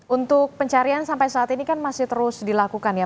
untuk pencarian sampai saat ini kan masih terus dilakukan ya